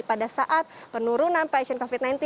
pada saat penurunan pasien covid sembilan belas